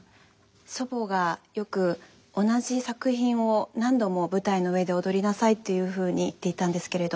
祖母がよく「同じ作品を何度も舞台の上で踊りなさい」っていうふうに言っていたんですけれど。